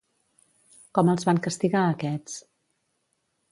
Com els van castigar aquests?